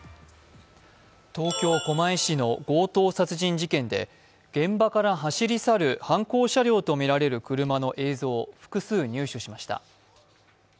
東京・狛江市の強盗殺人事件で現場から走り去る犯行車両とみられる車の映像を複数入手しました。